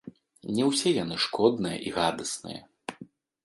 Не ўсе яны шкодныя і гадасныя.